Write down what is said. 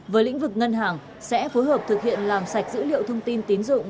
với lĩnh vực ngân hàng sẽ phối hợp thực hiện làm sạch dữ liệu thông tin tín dụng